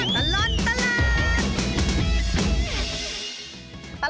ช่วงตลอดตลาด